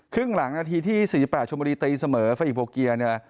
ครึ่งหลังนาทีที่๔๘ชมตีนเสมอฟะอีกโบเกียเนี่ย